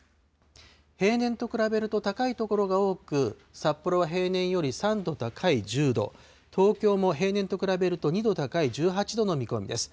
平年と比べると高い所が多く、札幌は平年より３度高い１０度、東京も平年と比べると２度高い１８度の見込みです。